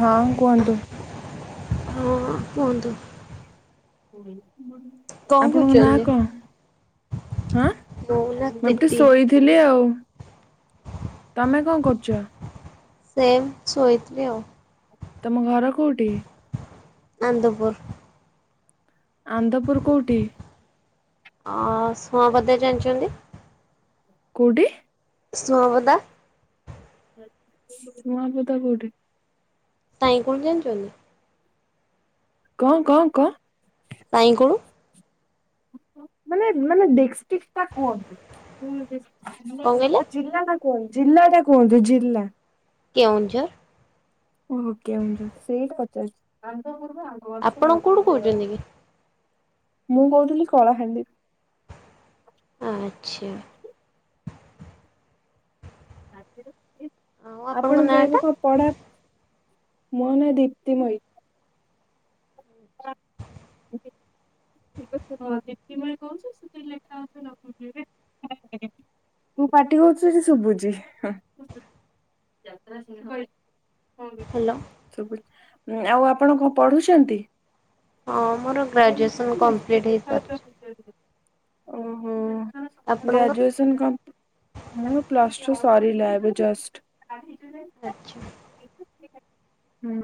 ହଁ କୁହନ୍ତୁ। ହଁ କୁହନ୍ତୁ। ହୁଁ କଣ ଆପଣଙ୍କ ନାଁ କରୁଛନ୍ତି? କଣ ହାଁ ମୁଁ ନା ମୁଁ [unintelligible] ପ୍ରୀତି ଶୋଇଥ୍ ଥିଲି ଆଉ ତମେ କଣ କରୁଛ? ସେମ୍ ଶୋଇଥିଲି ଆଉ। ତମ ଘର କୋଉଠି? ଆନ୍ଦପୁର। ଆନ୍ଦପୁର କୋଉଠି? ଅ ସୁଅଁ [unintelligible] ଜାଣିଛନ୍ତି? କୋଉଠି? ସୁଅଁବଦା? ସୁଆଁବଦା କୋଉଠି? ତାଇଁ କଣ ଜାଣିଛନ୍ତି? କଣ କଣ କହ? [unintelligible] ମାନେ ମାନ ଦିଷ୍ଟିକ ଟା କହନ୍ତୁ, ଅ କଣ ଜିଲ୍ଲା କହିଲେ ଜିଲ୍ଲା ଟା କୁହନ୍ତୁ ଜିଲ୍ଲା ଟା କୁହନ୍ତୁ ଜିଲ୍ଲା? କେଉଁଝର। ଓହ କେଉଁଝର ସେଇଟା ପଚାରୁଚି। ଆପଣ କୋଉଠୁ କହୁଛନ୍ତି କି? ମୁଁ କହୁଥିଲି କଳାହାଣ୍ଡିରୁ। ଆଚ୍ଛା। ଆଉ ନାଁ ଆପଣଙ୍କ ଟା? ଏବେ କଣ ପଢା, ମୋ ନା ଦୀପ୍ତିମୟୀ। ଠିକ ଅଛି [unintelligible] ତୁ ପାଟି କରୁଛୁ ସେ ଶୁଭୁଛି। ହ୍ୟାଲୋ ଆଉ ଆପଣ କଣ ପଢୁଛନ୍ତି? ହଁ ମୋର ଗ୍ରାଜୁଏସନ୍ କମ୍ପ୍ଲିଟ୍ ହେଇସାରିଛି। ଓହୋ ଆପଣଙ୍କର? ଗ୍ରାଜୁଏସନ ପ୍ଲସ୍ ଟୁ ସରିଲା ଏବେ ଜଷ୍ଟ। [inaudible] ଆଛା। ହୁଁ।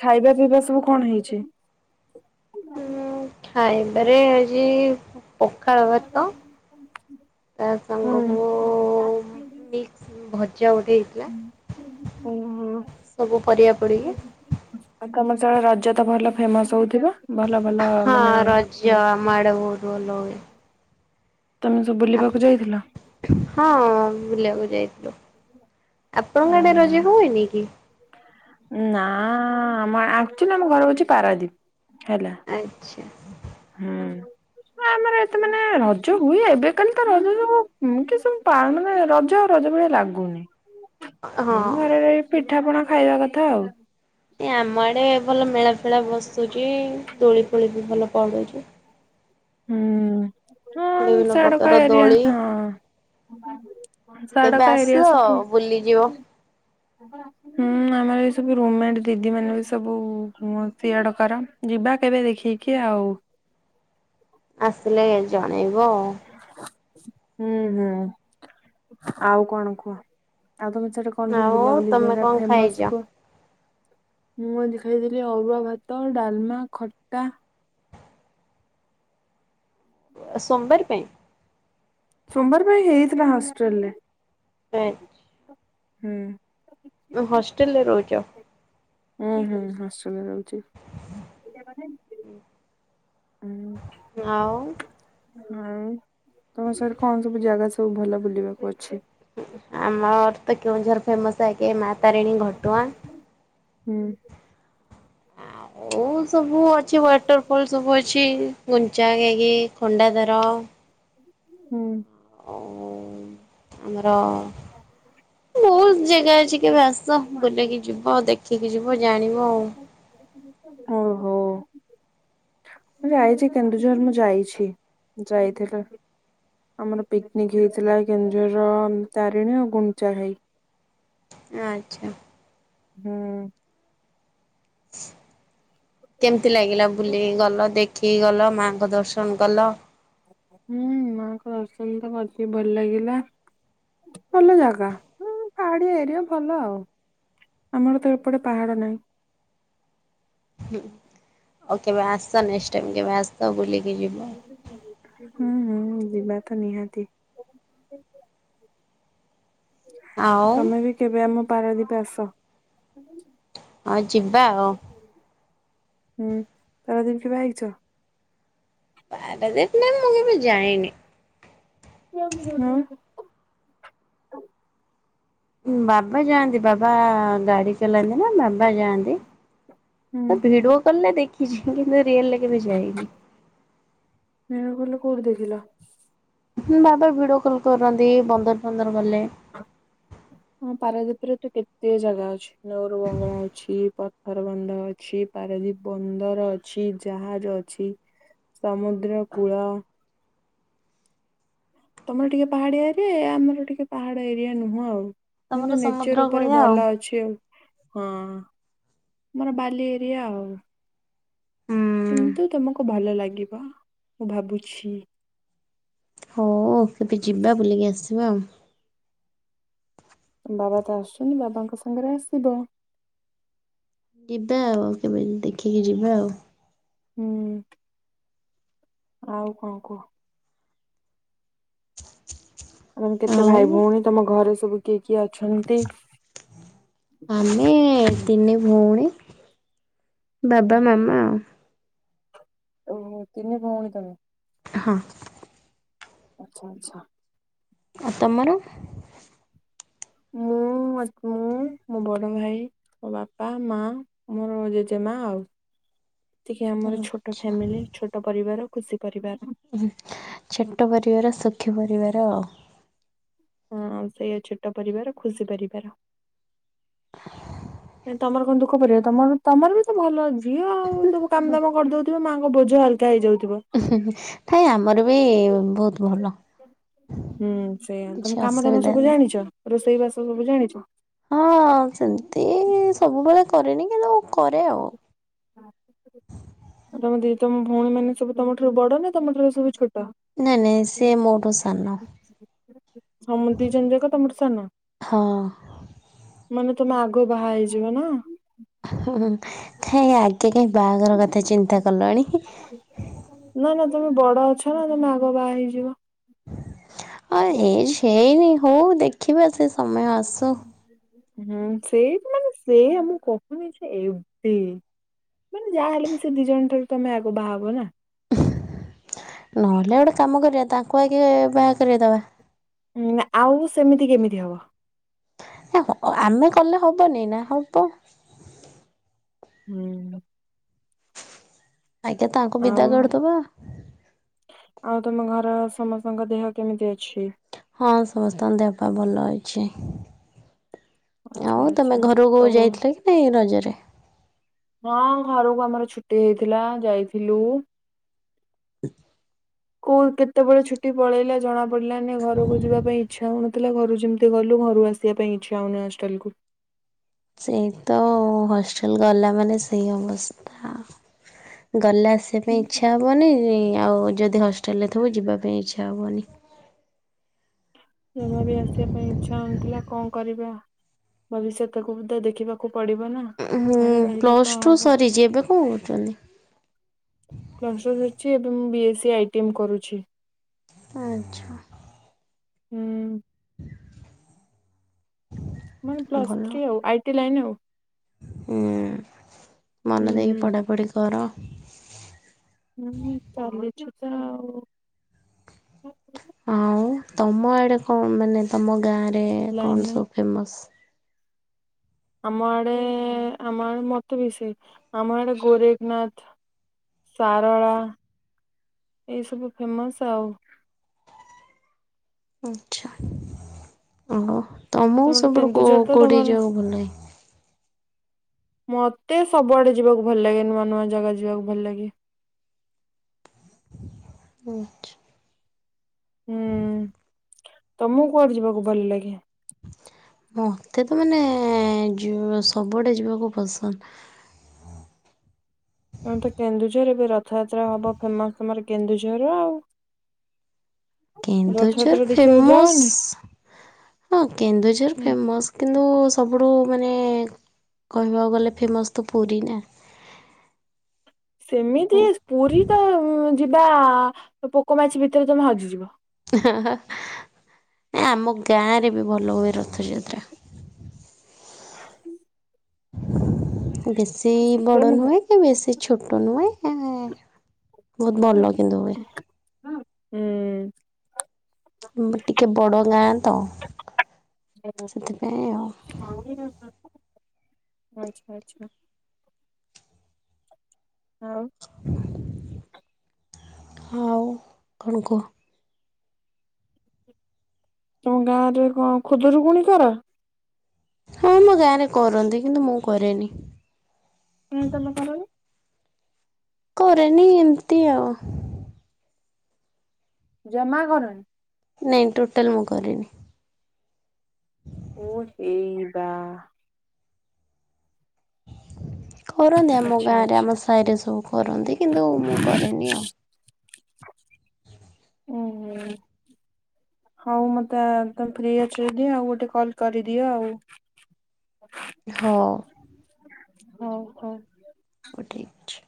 ଖାଇବା ପିଇବା ସବୁ କଣ ହେଇଛି? ହଁ ଖାଇବାରେ ଆଜି ପଖାଳ ଭାତ ତା ଓହୋ। ସାଙ୍ଗକୁ ମି ଭଜା ଗୋଟେ। ହେଇଥିଲା ଓ ହୋ। ସବୁ ପରିବା ପଡ଼ିକି। ଆ ତମ ସେପଟେ ରଜ ତ ଭଲ ଫେମସ ହଉଥିବ। ଭଲ ଭଲ ମାନେ ଜ ଆମ ଆଡେ ବହୁତ ଭଲ ହୁଏ। ତୁମେ ସବୁ ବୁଲିବାକୁ ଯାଇଥିଲ? ହଁ ବୁଲିବାକୁ ଯାଇଥିଲୁ। ଆପଣଙ୍କ ଆଡେ ରଜ ହୁଏନି କି? ନା ଆ ଆକଚୁଆଲି ଆମ ଘର ହଉଛି ପାରାଦୀପ ହେଲା। ଆଚ୍ଛା। ହୁଁ। ଆମର ଏତେ ମାନେ ରଜ ହୁଏ ଏବେ କାଲି ତ ରଜ ସବୁ କି ସବୁ ପାଳନ ମାନେ ରଜ ରଜ ଆଉ ରଜ ଭଳିଆ ଲାଗୁନି। [inaudible] ହଁ। ନ ଘରେ ରହିକି ପିଠା ପଣା ଖାଇବା କଥା ଆଉ। ଏ ଆମ ଆଡେ ଭଲ ମେଳା ଫେଳା ବସୁଛି। ଦୋଳି ଫୋଳି ବି ଭଲ ପଡୁଛି। ହୁଁ ହଁ ବିଭିନ୍ନ ପ୍ରକାର ସିଆଡକ ଏରିଆ ଦୋଳି ହଁ। କେବେ ସିଆଡକା ଆସ ଏରିଆ ସବୁ। ବୁଲିଯିବ। ହୁଁ ଆମର ଏ ସବୁ ରୁମମେଟ ଦିଦି ମାନେ ବି ସବୁ ସିଆଡ଼ କାର ଯିବା କେବେ ଦେଖକି ଆଉ। ଆସିଲେ ଜଣେଇବ ଆଉ। ହୁଁ ହୁଁ ଆଉ କଣ କୁହ ଆଉ ତମେ ସେଟ କଣ ସବୁ ଆଉ ବୁଲା ବୁଲି ତମେ ଜାଗା କଣ ଖାଇଛ? ଫେମସ କୁ ମୁଁ ଆଜି ଖାଇଥିଲି ଅରୁଆ ଭାତ, ଡାଲମା, ଖଟା। ସୋମବାର ପାଇଁ ସୋମବାର ପାଇଁ ହେଇଥିଲା ହଷ୍ଟେଲ ରେ ଆଁ। ହୁଁ। ହଷ୍ଟେଲରେ ରହୁଛ? ଅଁ, ହଁ, ହଁ, ଶୁଣାଯାଉଛି। ଅଁ, ଆଉ ଆଇ ତୋମ ସେଇଠି କଣ ସବୁ ଜାଗା ସବୁ ଭଲ ବୁଲିବାକୁ ଅଛି। ଆମର ତ କେଉଁଝର ଫେମସ୍ ଆଗେ ମା ତାରିଣୀ ଘଟୁଆଁ। ହୁଁ। ଆଉ ସବୁ ଅଛି ୱାଟର୍ ଫଲ୍ ସବୁ ଅଛି। ଗୁଣ୍ଡିଚାଘାଗି, ଖଣ୍ଡାଧାର ହୁଁ। ଆଉ ଆମର ବହୁତ ଜାଗା ଅଛି କେବେ ଆସ ବୁଲକି ଯିବ। ହଁ ଦେଖିକି ଯିବ ଜାଣିବ। ଆଉ ହୋ। ମୁଁ ଯାଇଛି କେନ୍ଦୁଝର, ମୁଁ ଯାଇଛି, ଯାଇଥିଲେ। ଆମର ପିକନିକ୍ ହେଇଥିଲା କେଉଁଝର ର ତାରିଣୀ ଆଉ ଗୁଣ୍ଡିଚାଘାଇ। ଆଚ୍ଛା। ହଁ। କେମିତି ଲାଗିଲା ବୁଲିକି ଗଲ? ଦେଖିକି ଗଲ, ମାଆଙ୍କ ଦର୍ ଶନଣ କଲ? ହୁଁ, ମାଙ୍କ ଦର୍ଶନ ତ ବହୁତି ଭଲ ଲାଗିଲା। ଭଲ ଜାଗା, ହୁଁ, ପାହାଡିଆ ଏରିଆ ଭଲ ଆଉ। ଆମର ତ ଏପଟେ ପାହାଡ଼ ନାହିଁ। ହୁଁ, ଆଉ କେବେ ଆସ ନେକ୍ସଟ୍ ଟାଇମ କେବେ ଆସ ବୁଲିକି ଯିବ। ହୁଁ, ହୁଁ, ଯିବା ତ ନିହାତି। ଆଉ ତୋମେ ବି କେବେ ଆମ ପାରାଦୀପ ଆସ। ହଁ ଯିବା ଆଉ। ଉଁ, ପାରାଦୀପ କେବେ ଆଇଛ? ପାରାଦୀପ ନା ମୁଁ କେବେ ଯାଇନି। ନା। ଉଁ, ବାବା ଯାଆନ୍ତି, ବାବା ଗାଡି ଚଲାନ୍ତି ନା ବାବା ଯାଆନ୍ତି, ହୁଁ ଏ ଭିଡିଓ କଲ୍ ରେ ଦେଖି ଖିଛି କିନ୍ତୁ ରିୟଲେ କେବେ ଯାଇନି। ଭିଡିଓ କଲ୍ ରେ କୋଉଠି ଦେଖିଲ? ହୁଁ ଭିଡିଓ କଲ୍ କରୁନ୍ତି ଏ ବନ୍ଦର ଫନ୍ଦର ଗଲେ। ହଁ ପାରାଦୀପରେ ତ କେତେ ଜାଗା ଅଛି ନଉରୁ ବଙ୍ଗଳା ଅଛି। ପ ହର ବନ୍ଧ ଅଛି, ପାରାଦ୍ୱୀପ ବନ୍ଦର ଅଛି ଜାହାଜ ଅଛି। ସମୁଦ୍ର କୂଳ। ତୋମର ଟିକେ ପାହାଡିଆ ଏରିଆ। ଏ ଆମର ଟିକେ ପାହାଡ ଏରିଆ ନୁହଁ ଆଉ। ତମର କିନ୍ତୁ ସମୁଦ୍ର ନେଚର୍ ଉପରେ କୂଳିଆ ଆଉ। ଭଲ ଅଛି ଆଉ। ହଁ ମାନେ ବାଲି ଏରିଆ ଆଉ। ହୁଁ କିନ୍ତୁ ତୋମକୁ ଭଲ ଲାଗିବ, ମୁଁ ଭାବୁଛି। ହୋ କେବେ ଯିବା ବୁଲିକି ଆସିବା ଆଉ। ତୋମ ବାବା ତ ଆସୁଛନ୍ତି ବାବାଙ୍କ ସାଙ୍ଗରେ ଆସିବ। ଯିବା ଆଉ କେବେ ଦେଖିକି ଯିବା ଆଉ। ହୁଁ। ଆଉ କଣ କୁହ? ତୋମର କେତେ ଆଉ ଭାଇ ଭଉଣୀ? ତୋମ ଘରେ ସବୁ କିଏ କିଏ ଅଛନ୍ତି? ଆମେ ତିନି ଭଉଣୀ ବାବା, ମାମା। ଓହୋ, ତିନି ଭଉଣୀ ତୋମେ। ହଁ। ଆଚ୍ଛା, ଆଚ୍ଛା। ଆଉ ତମର? ମୁଁ ମ ମୁଁ [inaudible] ମୋ ବଡ ଭାଇ ମୋ ବାପା ମା ମୋର ଜେଜେମା ଆଉ। ଏତିକି ଆମର ଛୋଟ ଫ୍ୟାମିଲି ଛୋଟ ପରିବାର ଖୁସି ପରିବାର। ଉ ଛୋଟ ପରିବାର ସୁଖୀ ପରିବାର ଆଉ। ହଁ ଆଉ ସେଇୟା ଛୋଟ ପରିବାର ଖୁସି ପରିବାର। କାଇଁ ତମର କଣ ଦୁଃଖ ପରିବାର ତମର ତମର ବି ତ ଭଲ। ଝିଅ ଆଉ ସବୁ କାମ ଦାମ କରିଦଉଥିବ ମାଙ୍କ ବୋଝ ହାଲକା ହେଇଯାଉଥିବ। ନାଇଁ ଆମର ବି ବହୁତ ଭଲ। ହୁଁ ସେଇଆ ତମେ କିଛି କାମ ଦାମ ଅସୁବିଧା ସବୁ ନାହିଁ। ଜାଣିଛ ରୋଷେଇ ବାସ ସବୁ ଜାଣିଛ? ହଁ ସେମିତି ସବୁବେଳେ କରେନି କିନ୍ତୁ କରେ ଆଉ। ଆଉ ତମ ଦି ତମ ଭଉଣୀ ମେନେ ସବୁ ତମ ଠାରୁ ବଡ ନା ତମଠାରୁ ସବୁ ଛୋଟ? ନାଇଁ ନାଇଁ ସେ ମୋ ଠୁ ସାନ। ହଁ ମୁଁ ଦି ଜଣଜାକ ତମଠୁ ସାନ? ହଁ। ମାନେ ତମେ ଆଗ ବାହା ହେଇଯିବ ନା? ହୁଁ ହୁଁ କାଇଁ ଆଗେ କାଇଁ ବାହାଘର କଥା ଚିନ୍ତା କଲଣି। ନା ନା ତମେ ବଡ ଅଛ ନା ତମେ ଆଗ ବାହା ହେଇଯିବ। ଆଉ ଏଜେ ହେଇନି ହଉ ଦେଖିବା ସେ ସମୟ ଆସୁ। ହୁଁ ସେ ମାନେ ସେୟା ମୁଁ କହୁନି ଯେ ଏବେ। ମାନେ ଯାହା ହେଲେବି ସେ ଦି ଜଣ ଠାରୁ ତମେ ଆଗ ବାହାହବ ନା। ନହେଲେ ଗୋଟେ କାମ କରିବା ତାଙ୍କୁ ଆଗେ ବାହା କରେବା ଦବା। ହୁଁ ଆଉ ସେମିତି କେମିତି ହବ। ଆମେ କଲେ ହବନି ନା ହବ। ହୁଁ। ଆଗେ ତାଙ୍କୁ ବିଦା ଆଉ କରିଦବା। ଆଉ ତମ ଘର ସମସ୍ତଙ୍କ ଦେହ କେମିତି ଅଛି? ହଁ ସମସ୍ତଙ୍କ ଦେହ ପାଇଁ ଭଲ ଅଛି। ଆଚ୍ଛା ଆଉ ତମେ ଆଚ୍ଛା ଘରକୁ ସବୁ ଯାଇଥିଲ କି ନାଇଁ ରଜରେ? ହଁ ଘରକୁ ଆମର ଛୁଟି ହେଇଥିଲା ଯାଇଥିଲୁ। ସ୍କୁଲ କେତେବେଳେ ଛୁଟି ପଳେଇଲା ଜଣା ପଡିଲାନି ଘରକୁ ଯିବା ପାଇଁ ଇଚ୍ଛା ହଉନଥିଲା ଘରୁ ଯେମିତି ଗଲୁ ଘରୁ ଆସି ଆସିବା ପାଇଁ ହଉନି ହଷ୍ଟେଲକୁ। ସେଇତ ହଷ୍ଟେଲ ଗଲା ମାନେ ସେଇ ଅବସ୍ଥା। ଗଲେ ଆସିବା ପାଇଁ ଇଚ୍ଛା ହେବନି ଆଉ ଯଦି ହଷ୍ଟେଲରେ ଥିବୁ ଯିବା ପାଇଁ ଇଚ୍ଛା ହେବନି। ଜମା ବି ଆସିବା ପାଇଁ ଇଚ୍ଛା ହଉନଥିଲା କଣ କରିବା? ଭବିଷ୍ୟତ କୁ ବି ତ ଦେଖିବାକୁ ପଡିବ ନା। ହୁଁ ଘରେ ରହିଲେ ପ୍ଲସ୍ କଣ ଟୁ ହବ ସରିଛି ଏବେ କଣ କରୁଛନ୍ତି? ପ୍ଲସ ଟୁ ସରିଛି ଏବେ ମୁଁ ବି ଏସ୍ ସ ଆଇଟିଏମ୍ କରୁଛି। ଆଚ୍ଛା। ହୁଁ। ମାନେ ପ୍ଲସ ଭଲ ଥ୍ରୀ ଆଉ ଆଇ ଟି ଲାଇନ ଆଉ। ହୁଁ ମନ ଦେଇକି ପଢା ପଢି କର। ହୁଁ ଚାଲିଛି ତ ଆଉ। ଆଉ ତମ ଆଡ଼େ କଣ ମାନେ ତମ ଗାଁରେ ଲାଇନ କଣ ନାଇଁ ସବୁ ଫେମସ୍। ଆମ ଆଡେ ଆମ ଆଡେ ମତେ ବିସେ ଆମଆଡେ ଗୋରେଖନାଥ। ସାରଳା ଏଇସବୁ ଫେମସ ଆଉ। ଆଚ୍ଛା ଓହ ତମକୁ ତମର ସବୁଠୁ କେନ୍ଦୁଝର ତ କେଉଠିକି ତମର ଯିବାକୁ ଭଲ ଲାଗେ? ମତେ ସବୁଆଡେ ଯିବାକୁ ଭଲ ଲାଗେ ନୂଆ ନୂଆ ଜାଗା ଯିବାକୁ ଭଲ ଲାଗେ। ହୁଁ। ହୁଁ ତମୁକୁ କୁଆଡେ ଯିବାକୁ ଭଲ ଲାଗେ? ମତେ ତ ମାନେ ଯୁ ସବୁଆଡେ ଯିବାକୁ ପସନ୍ଦ। ତମର ତ କେନ୍ଦୁଝର ଏବେ ରଥଯାତ୍ରା ହବ ଫେମସ୍ ତୁମର କେନ୍ଦୁଝରର ଆଉ। କେନ୍ଦୁଝର ରଥଯାତ୍ରା ଦେଖିବାକୁ ଫେମସ୍ ଯାଅନି? ହଁ କେନ୍ଦୁଝର ହୁଁ। ଫେମସ୍। କିନ୍ତୁ ସବୁଠୁ ମାନେ କହିବାକୁ ଗଲେ ଫେମସ୍ ତ ପୁରୀ ନା। ସେମିତି ପୁରୀ ତ ଉଁ ଯିବା ପୋକ ମାଛି ଭିତେରେ ତମେ ହଜିଯିବ। ଇ ହା ହା ଆମ ଗାଁରେ ବି ଭଲ ହୁଏ ରଥଯାତ୍ରା। କୁ ବେଶୀ ବଡ ନୁହେଁ କି ବେଶୀ ଛୋଟ ନୁହେଁ ଆଁ। ବୋହୁତ ଭଲ କିନ୍ତୁ ହୁଏ। ହୁଁ। ଆମର ଟିକେ ବଡ ଗାଁ ତ ସେଥିପାଇଁ ଆଉ। ଆଚ୍ଛା ଆଚ୍ଛା। ଆଉ ହଉ କଣ କୁହ। ତମ ଗାଁରେ କଁ ଖୁଦୁରୁକୁୁଣି କର। ହଁ ଆମ ଗାଁରେ କରନ୍ତି କିନ୍ତୁ ମୁଁ କରେନି। କାହିଁ ତମେ କରନି? କରେନି ଏମତି ଆଉ। ଜମା କରନି। ନାଇଁ ଟୋଟାଲ୍ ମୁଁ କରେନି। ଓ ହେଇ ବା। କରନ୍ତି ଆମ ଆଚ୍ଛା ଗାଁରେ ଆମ ଆଚ୍ଛା ସାଇରେ ସବୁ କରନ୍ତି କିନ୍ତୁ ମୁଁ କରେନି ଆଉ। ଉଁ ହୁଁ। ହଉ ମତେ ତମେ ଫ୍ରି ଅଛି ଯଦି ଆଉ ଗୋଟେ କଲ୍ କରିଦିଅ ଆଉ। ହଉ। ହଉ ହଉ। ଓ ଠିକ୍ ଅଛି।